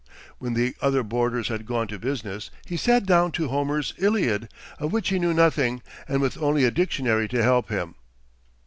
When the other boarders had gone to business, he sat down to Homer's Iliad, of which he knew nothing, and with only a dictionary to help him.